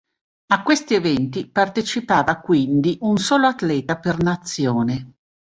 A questi eventi partecipava quindi un solo atleta per nazione.